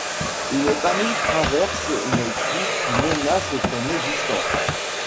Une famille traverse une crise qui menace son existence.